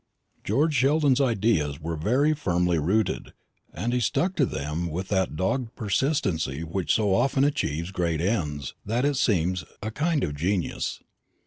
George Sheldon's ideas were very firmly rooted, and he stuck to them with that dogged persistency which so often achieves great ends, that it seems a kind of genius.